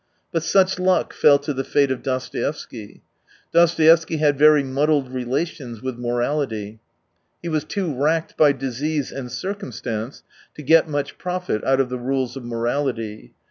But such luck fell to the fate of Dostoevsky. Dostoevsky had very muddled relations with morality. He was too racked by disease and circum stance to get much profit out of the rules of morality.